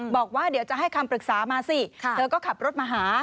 บอกว่าเดี๋ยวจะให้คำปรึกษามาสิเธอก็ขับรถมาหา